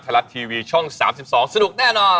รัฐทีวีช่อง๓๒สนุกแน่นอน